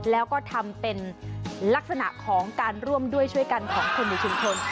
แล้วก็ทำเป็นลักษณะของการร่วมด้วยช่วยกันของคนในชุมชน